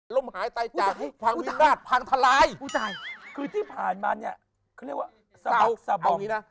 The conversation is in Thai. ล่มหายใจจากภังวิมราชภังทะลายคือที่ผ่านมาเนี่ยเขาเรียกว่าเอาอย่างงี้นะ